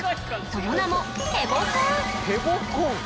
その名もヘボコン。